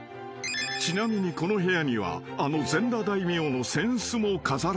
［ちなみにこの部屋にはあの全裸大名の扇子も飾られています］